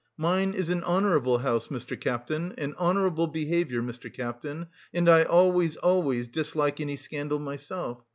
Mine is an honourable house, Mr. Captain, and honourable behaviour, Mr. Captain, and I always, always dislike any scandal myself.